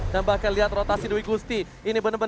dan bahkan lihat rotasi dewi gusti